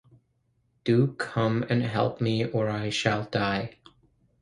Do come and help me or I shall die!